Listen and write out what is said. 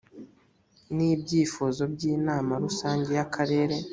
n ibyifuzo by inama rusange y akarere